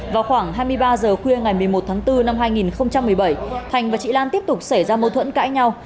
vào khoảng hai mươi ba h khuya ngày một mươi một tháng bốn năm hai nghìn một mươi bảy thành và chị lan tiếp tục xảy ra mâu thuẫn cãi nhau